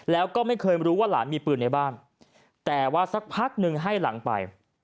แล้วก็ไม่เคยรู้ว่าหลานมีปืนในบ้านแต่ว่าสักพักหนึ่งให้หลังไป